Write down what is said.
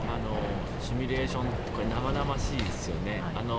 シミュレーションって生々しいですよね。